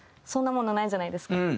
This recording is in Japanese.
そんなものないじゃないですか。